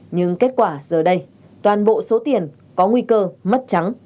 nhưng kết quả giờ đây toàn bộ số tiền có nguy cơ mất trắng